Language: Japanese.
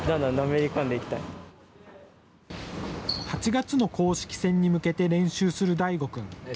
８月の公式戦に向けて練習する大護君。